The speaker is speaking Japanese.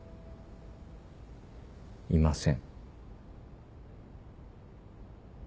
いません。